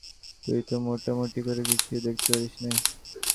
তুই তো মোটামুটি করে কিছুই দেখতে পারিস নে।